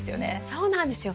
そうなんですよ。